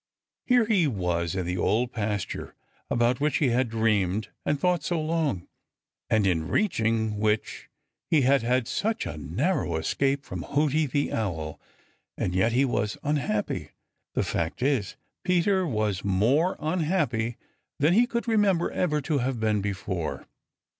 Here he was in the Old Pasture, about which he had dreamed and thought so long, and in reaching which he had had such a narrow escape from Hooty the Owl, and yet he was unhappy. The fact is, Peter was more unhappy than he could remember ever to have been before.